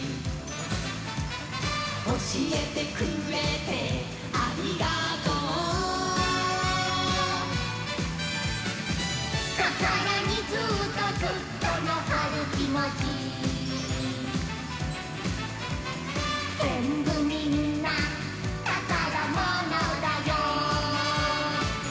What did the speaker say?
「おしえてくれてありがとう」「こころにずっとずっとのこるきもち」「ぜんぶみんなたからものだよ」